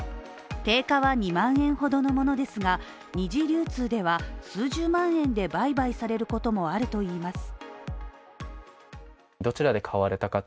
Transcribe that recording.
定価は２万円ほどのものですが、二次流通では数十万円で売買されることもあるといいます。